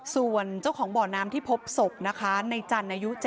ส่วนเจ้าของบ่อนามที่พบศพในจันทร์อายุ๗๒